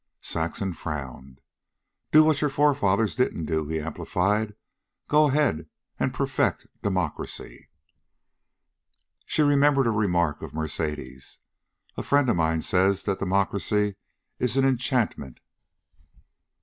Saxon frowned. "Do what your forefathers didn't do," he amplified. "Go ahead and perfect democracy." She remembered a remark of Mercedes. "A friend of mine says that democracy is an enchantment."